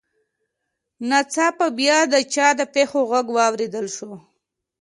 ناڅاپه بیا د چا د پښو غږ واورېدل شو